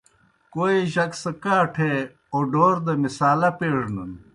کوئے جک سہ کاٹھے اوڈور دہ مصالحہ پیڙنَن۔